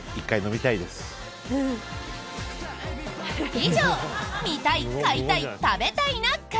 以上、「見たい買いたい食べたいな会」